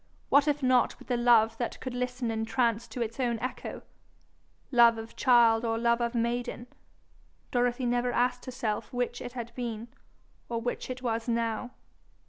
What if not with the love that could listen entranced to its own echo! love of child or love of maiden, Dorothy never asked herself which it had been, or which it was now.